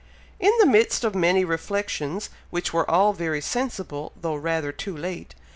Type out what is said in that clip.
In the midst of many reflections, which were all very sensible, though rather too late.